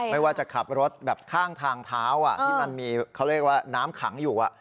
ไม่ว่าจะขับรถแบบข้างทางเท้าที่มันมีเขาเรียกว่าน้ำขังอยู่